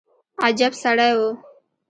عجب سړى و.